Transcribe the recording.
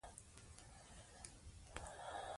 که فابریکې جوړې شي نو ځوانان نه بې کاره کیږي.